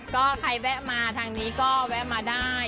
ก็ใครแวะมาทางนี้ก็แวะมาได้